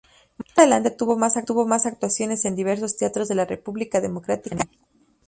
Más adelante tuvo más actuaciones en diversos teatros de la República Democrática de Alemania.